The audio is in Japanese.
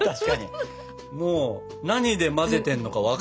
もう何で混ぜてるのか分かんないぐらいだね。